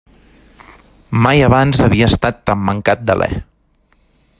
Mai abans havia estat tan mancat d'alè.